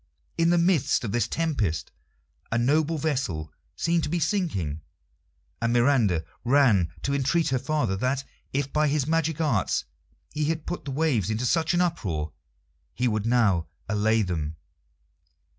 In the midst of the tempest a noble vessel seemed to be sinking, and Miranda ran to entreat her father that, if by his magic arts he had put the waves into such an uproar, he would now allay them.